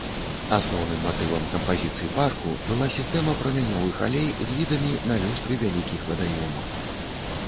Асноўным матывам кампазіцыі парку была сістэма прамянёвых алей з відамі на люстры вялікіх вадаёмаў.